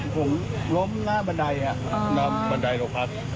ผมล้มหน้าบันไดหน้าบันไดโรงพักษณ์